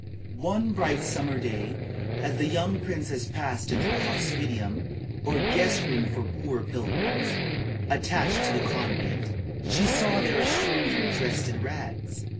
One bright summer day, as the young princess passed into the hospitium, or guest room for poor pilgrims, attached to the convent, she saw there a stranger, dressed in rags.